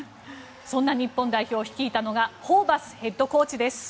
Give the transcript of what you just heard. そんな日本代表を率いたのがホーバスヘッドコーチです。